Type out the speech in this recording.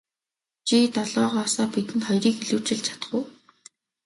Чи долоогоосоо бидэнд хоёрыг илүүчилж чадах уу.